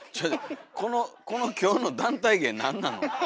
このこの今日の団体芸なんなの？